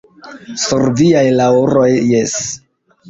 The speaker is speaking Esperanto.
Sur viaj laŭroj, jes!